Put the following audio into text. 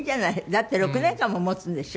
だって６年間も持つんでしょ？